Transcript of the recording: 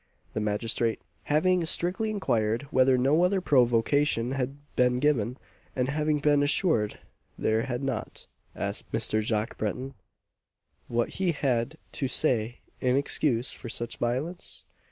The magistrate having strictly inquired whether no other provocation had been given, and having been assured there had not, asked Mr. Jacques Breton what he had to say in excuse for such violence?